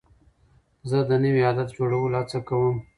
زه د نوي عادت جوړولو هڅه کوم.